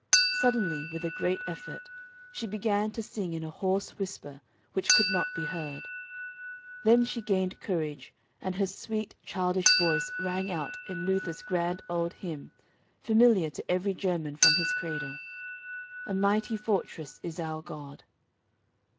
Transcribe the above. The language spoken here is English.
Suddenly, with a great effort, she began to sing in a hoarse whisper which could not be heard. Then she gained courage, and her sweet, childish voice rang out in Luther's grand old hymn, familiar to every German from his cradle, "A mighty fortress is out God."